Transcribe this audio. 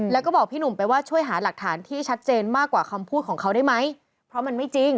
แล้วก็บอกพี่หนุ่มไปว่าช่วยหาหลักฐานที่ชัดเจนมากกว่าคำพูดของเขาได้ไหม